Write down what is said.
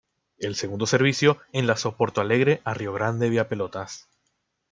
El segundo servicio enlazó Porto Alegre a Rio Grande vía Pelotas.